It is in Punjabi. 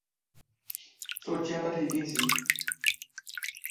ਸੋਚਿਆ ਤਾਂ ਠੀਕ ਹੀ ਸੀ